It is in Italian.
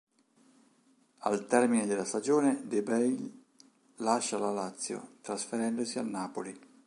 Al termine della stagione De Bail lascia la Lazio, trasferendosi al Napoli.